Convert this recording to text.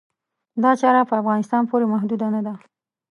دا چاره په افغانستان پورې محدوده نه ده.